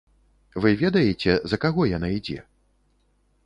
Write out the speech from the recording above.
Вы ведаеце, за каго яна ідзе?